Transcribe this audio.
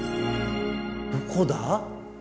どこだ？